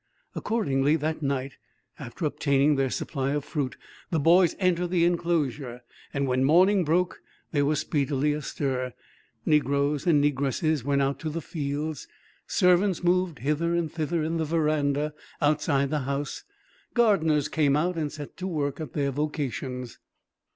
Accordingly, that night, after obtaining their supply of fruit, the boys entered the enclosure When morning broke there was speedily a stir, negroes and negresses went out to the fields, servants moved hither and thither in the veranda outside the house, gardeners came out and set to work at their vocations.